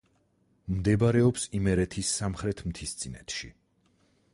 მდებარეობს იმერეთის სამხრეთ მთისწინეთში.